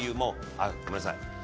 あっごめんなさい。